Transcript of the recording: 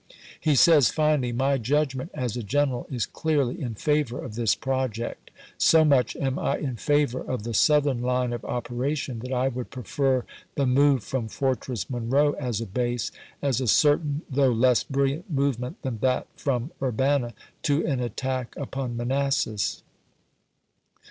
He says finally :" My judgment as a general is clearly in favor of this project. .. So much am I in favor of the Southern line of operation, that I would prefer the move from Fortress Monroe as a base — as a certain though w. r. Vol V less brilliant movement than that from Urbana — to pp. 42 45. an attack upon Manassas."